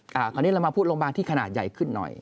คราวนี้เรามาพูดโรงพยาบาลที่ขนาดใหญ่ขึ้นหน่อย